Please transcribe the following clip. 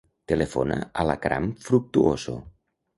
Telefona a l'Akram Fructuoso.